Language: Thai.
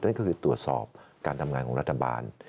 นั่นก็คือตรวจสอบการทำงานของรัฐบาล